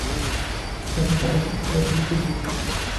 Bannakawempe bali mu bikujjuko.